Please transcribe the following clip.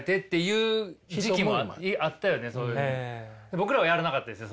僕らはやらなかったですよ